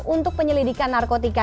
untuk penyelidikan narkotika